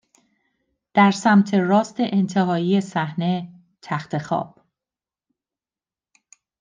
در سمت راست انتهایی صحنه تخت خواب